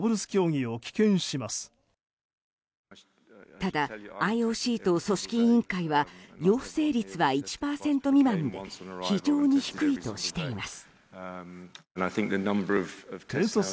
ただ、ＩＯＣと組織委員会は陽性率は１％未満で非常に低いとしています。